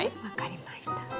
分かりました。